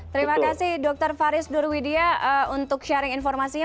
terima kasih dokter faris durwidia untuk sharing informasinya